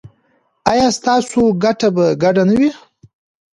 ایا ستاسو ګټه به ګډه نه وي؟